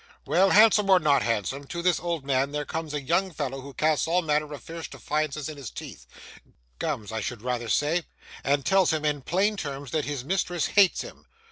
Well! Handsome or not handsome, to this old man there comes a young fellow who casts all manner of fierce defiances in his teeth gums I should rather say and tells him in plain terms that his mistress hates him.